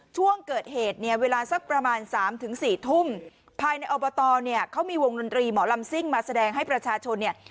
ช่วงเกิดเหตุเนี่ยเวลาสักประมาณสามถึงสี่ทุ่มภายในอบตเนี่ยเขามีวงดนตรีหมอลำซิ่งมาแสดงให้ประชาชนเนี่ย